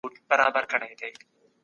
اقتصاد پوه وويل چي بدلون راځي.